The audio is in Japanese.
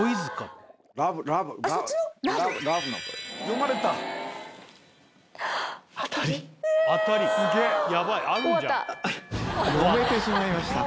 読めてしまいました。